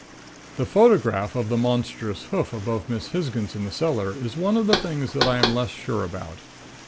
"The photograph of the monstrous hoof above Miss Hisgins in the cellar is one of the things that I am less sure about.